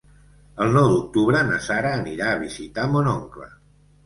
El nou d'octubre na Sara anirà a visitar mon oncle.